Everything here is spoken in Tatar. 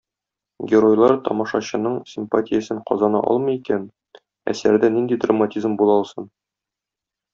Геройлар тамашачының симпатиясен казана алмый икән, әсәрдә нинди драматизм була алсын?